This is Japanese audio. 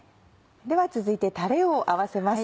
では続いてタレを合わせます。